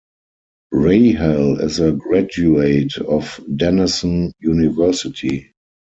Rahal is a graduate of Denison University.